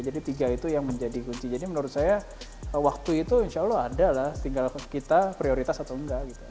jadi tiga itu yang menjadi kunci jadi menurut saya waktu itu insya allah ada lah tinggal kita prioritas atau enggak gitu